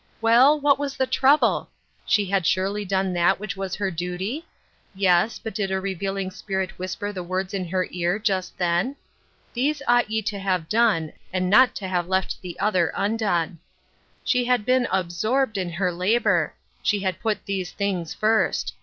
Well, what was the trouble? She had surely done that which was her duty ? Yes, but did a revealing spirit whisper the words in her ear, just then ?—" These ought ye to have done, and not to have left the other undone." She had been absorbed in her labor ; she had put these things first.